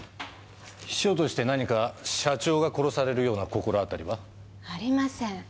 秘書として何か社長が殺されるような心当たりは？ありません。